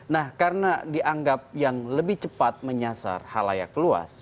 nah karena dianggap yang lebih cepat menyasar halayak luas